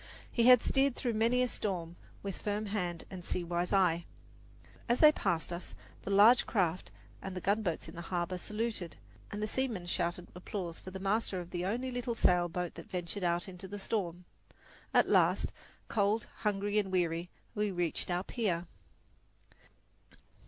He had steered through many a storm with firm hand and sea wise eye. As they passed us, the large craft and the gunboats in the harbour saluted and the seamen shouted applause for the master of the only little sail boat that ventured out into the storm. At last, cold, hungry and weary, we reached our pier.